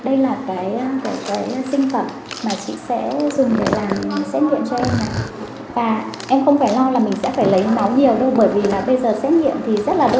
bởi vì là bây giờ xét nghiệm thì rất là đơn giản rồi